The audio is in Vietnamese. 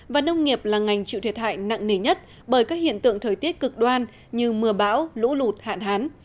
và nông nghiệp là ngành chịu thiệt hại nặng nề nhất bởi các hiện tượng thời tiết cực đoan như mưa bão lũ lụt hạn hán